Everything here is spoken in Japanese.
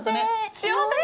幸せ！